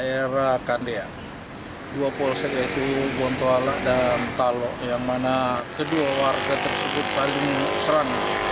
di daerah kandia dua polisi yaitu bontoala dan talo yang mana kedua warga tersebut saling serang